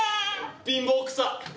貧乏くさ。